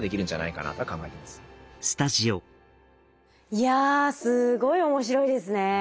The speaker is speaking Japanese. いやすごい面白いですね。